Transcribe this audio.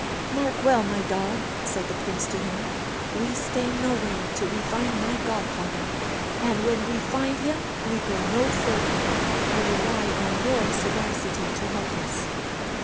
"Mark well, my dog," said the prince to him, "we stay nowhere till we find my godfather, and when we find him we go no further. I rely on your sagacity to help us."